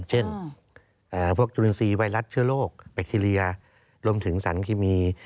เช่นพวกจุลินทรีย์ไวรัสเชื้อโรคแบคทีเรียรวมถึงสารเคมี